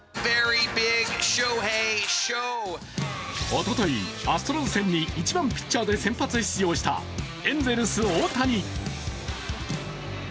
おととい、アストロズ戦に１番・ピッチャーで先発出場したエンゼルス・大谷。